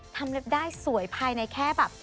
เล็บได้สวยภายในแค่แบบ